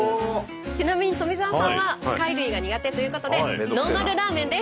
ちなみに富澤さんは貝類が苦手ということでノーマルラーメンです。